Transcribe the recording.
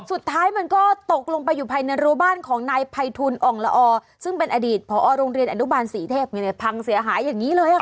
สุดท้ายมันก็ตกลงไปอยู่ภายในรัวบ้านของนายภัยทูลอ่องละอซึ่งเป็นอดีตพอโรงเรียนอนุบาลศรีเทพพังเสียหายอย่างนี้เลยค่ะ